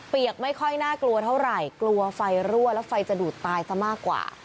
ไม่ค่อยน่ากลัวเท่าไหร่กลัวไฟรั่วแล้วไฟจะดูดตายซะมากกว่า